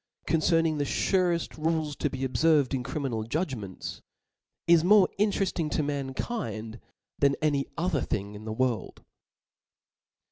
concerning the fureft rules to be obferired in crimi* nal judgments, is more interefting to mankind than any other thing in the world.